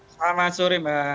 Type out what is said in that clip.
selamat sore mbak